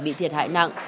bị thiệt hại nặng